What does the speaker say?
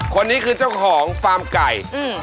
คนนี้คือเจ้าของฟาร์มไก่